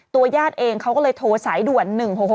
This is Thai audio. ญาติเองเขาก็เลยโทรสายด่วน๑๖๖